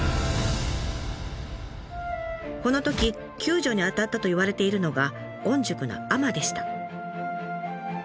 このとき救助に当たったといわれているのが御宿の海女でした。